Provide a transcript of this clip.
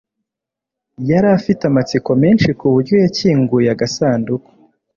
Yari afite amatsiko menshi kuburyo yakinguye agasanduku